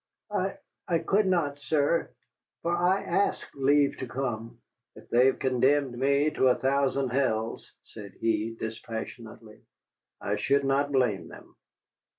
"I I could not, sir. For I asked leave to come." "If they have condemned me to a thousand hells," said he, dispassionately, "I should not blame them."